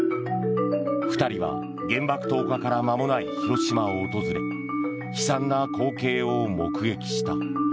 ２人は、原爆投下から間もない広島を訪れ悲惨な光景を目撃した。